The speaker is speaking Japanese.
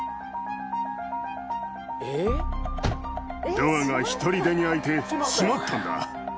ドアがひとりでに開いて閉まったんだ。